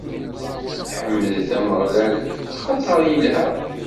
Ḥemdet Ameɣlal, axaṭer ilha.